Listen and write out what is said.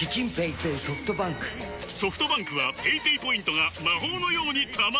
ソフトバンクはペイペイポイントが魔法のように貯まる！